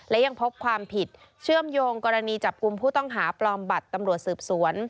และยังพบความผิดเชื่อมโยงกรณีจับกลุ่มผู้ต้องหาปลอมบัตรตำรวจสืบสวน